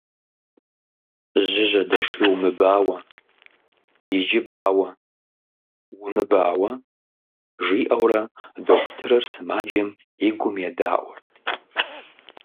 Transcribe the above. – Жьы жьэдэши умыбауэ! Иджы бауэ! Умыбауэ! - жиӏэурэ дохутырыр сымаджэм и гум едаӏуэрт.